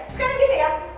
sekarang gini ya